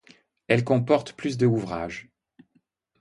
Elle comporte plus de ouvrages.